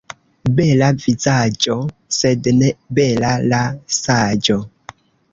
Bela vizaĝo, sed ne bela la saĝo.